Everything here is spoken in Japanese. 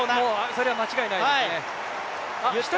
それは間違いないですね。